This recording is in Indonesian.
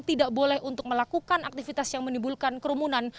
tidak boleh untuk melakukan aktivitas yang menimbulkan kerumunan